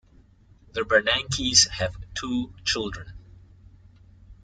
The Bernankes have two children.